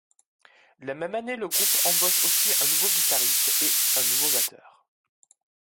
La même année le groupe embauche aussi un nouveau guitariste et un nouveau batteur.